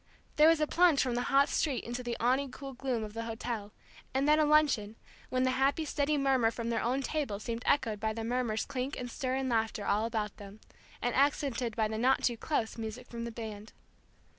There was a plunge from the hot street into the awning cool gloom of the hotel, and then a luncheon, when the happy steady murmur from their own table seemed echoed by the murmurs clink and stir and laughter all about them, and accented by the not too close music from the band.